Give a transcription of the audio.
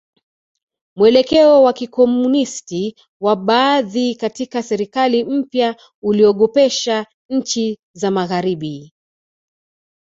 Mwelekeo wa Kikomunisti wa baadhi katika serikali mpya uliogopesha nchi za Magharibi